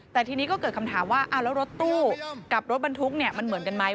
แต่ทีนี้ก็เกิดคำถามว่าแล้วรถตู้กับรถบรรทุกมันเหมือนกันไหม